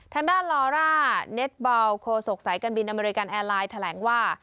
ทางด้านลอร่าเน็ตบอลโคศกสายการบินอเมริกันแอร์ไลน์แถลงว่า